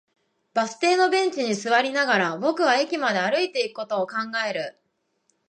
バス停のベンチに座りながら、僕は駅まで歩いていくことを考える